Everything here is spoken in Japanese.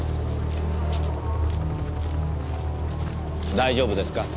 大丈夫ですか？